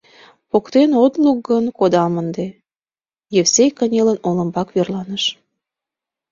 — Поктен от лук гын, кодам ынде, — Евсей, кынелын, олымбак верланыш.